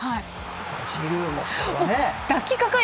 ジルーもね。